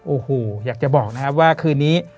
โอ้โหอยากจะบอกนะครับว่าคืนนี้